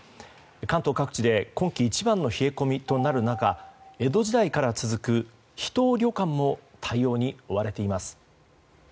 関東各地で今季一番の冷え込みとなる中江戸時代から続く秘湯旅館も対応に追われています。